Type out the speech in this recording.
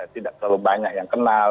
tidak terlalu banyak yang kenal